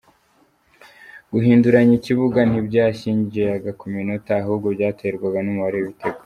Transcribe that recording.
Guhinduranya ikibuga ntibyashingiraga ku minota, ahubwo byaterwaga n’umubare w’ibitego.